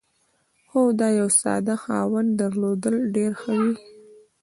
خو د یوه ساده خاوند درلودل ډېر ښه وي.